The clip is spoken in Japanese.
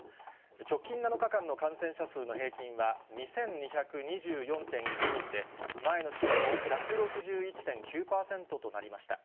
直近７日間の感染者数の平均は、２２２４．１人で、前の週の１６１．９％となりました。